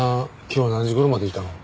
今日は何時頃までいたの？